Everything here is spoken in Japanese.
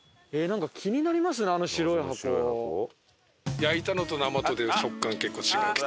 焼いたのと生とでは食感結構違くて。